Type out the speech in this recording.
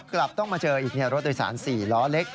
กลับต้องมาเจออีกรถโดยสาร๔ล้อเล็ก